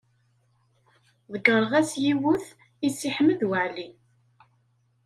Ḍeyyreɣ-as yiwet i Si Ḥmed Waɛli.